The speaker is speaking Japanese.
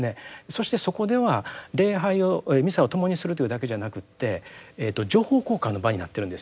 そしてそこでは礼拝をミサを共にするというだけじゃなくて情報交換の場になってるんですよ。